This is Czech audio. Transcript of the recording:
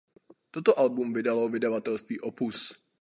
Toto album vydalo vydavatelství Opus.